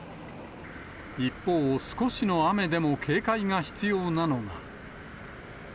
一方、少しの雨でも警戒が必要なのが。